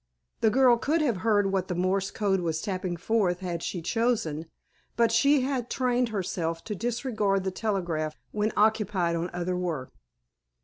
The girl could have heard what the Morse code was tapping forth had she chosen, but she had trained herself to disregard the telegraph when occupied on other work.